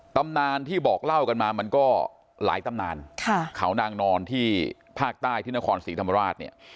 ตำนานที่บอกเล่ากันมามันก็หลายตำนานเขานางนอนที่ภาคใต้ที่นครศรีธรรมราชเนี่ย